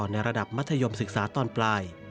ในระดับมัธยมศึกษาตอนปลาย